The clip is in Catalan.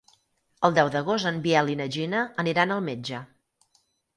El deu d'agost en Biel i na Gina aniran al metge.